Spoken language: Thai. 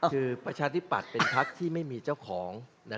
คือประชาธิปัตย์เป็นพักที่ไม่มีเจ้าของ